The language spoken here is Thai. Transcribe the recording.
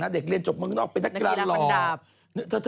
เด็กเรียนจบเมืองนอกแล้วก็เป็นนักกีฬาห์โกรธ